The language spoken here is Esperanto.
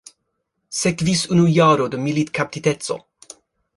Sekvis unu jaro de militkaptiteco.